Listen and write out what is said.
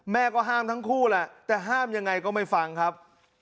แม่ก็ห้ามทั้งคู่แหละแต่ห้ามยังไงก็ไม่ฟังครับ